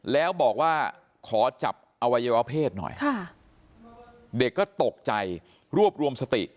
แล้วบอกว่าขอจับอวัยวะเพศหน่อยเด็กก็ตกใจรวบรวมสติ